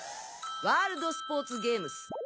ワールド・スポーツ・ゲームス。